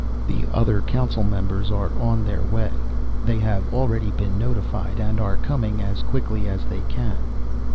"The other Council Members are on their way. They have already been notified and are coming as quickly as they can.